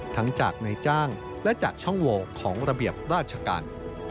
ทั้งจากในจ้างและจากช่องโวของระเบียบราชการ